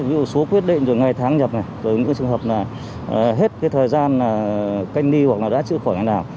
ví dụ số quyết định ngày tháng nhập những trường hợp hết thời gian cách ly hoặc đã chữa khỏi ngày nào